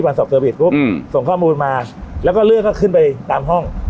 ไปพรูปส่งข้อมูลมาแล้วก็แล้วก็ขึ้นไปตามห้อง